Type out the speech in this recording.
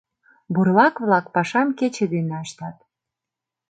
Бурлак-влак пашам кече дене ыштат.